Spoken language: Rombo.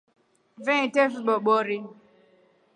Veeteko vibobori.